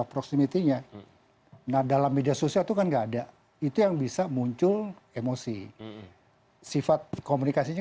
proximity nya nah dalam media sosial itu kan enggak ada itu yang bisa muncul emosi sifat komunikasinya